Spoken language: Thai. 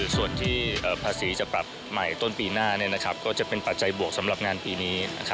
ส่วนที่ภาษีจะปรับใหม่ต้นปีหน้าก็จะเป็นปัจจัยบวกสำหรับงานปีนี้